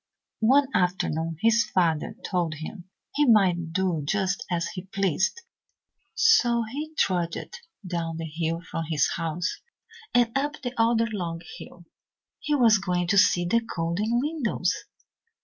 "One afternoon his father told him he might do just as he pleased, so he trudged down the hill from his house and up the other long hill. He was going to see the golden windows.